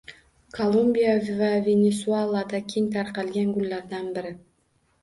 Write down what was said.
Kolumbiya va Venesuelada keng tarqalgan gullardan biri.